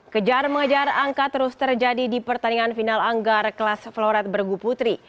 kejar mengajar angka terus terjadi di pertandingan final anggar kelas floret berguputri